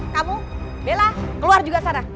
kamu bela keluar juga sana